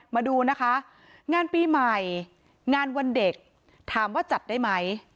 มาดูนะคะงานปีใหม่งานวันเด็กถามว่าจัดได้ไหม